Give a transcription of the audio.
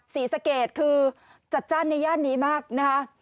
ศรีสะเกดคือจัดจ้านในย่านนี้มากนะคะ